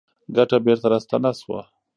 ګټه بېرته راستانه شوه.